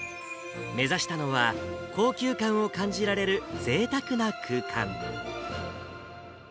目指したのは、高級感を感じられるぜいたくな空間。